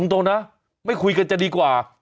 อำกดตรงน่ะไม่คุยกันจะดีกว่า